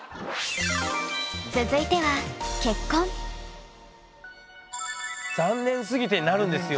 続いては「残念すぎて」になるんですよ。